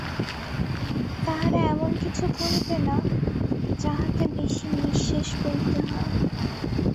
তাহারা এমন কিছু করিবে না, যাহাতে বেশী নিঃশ্বাস লইতে হয়।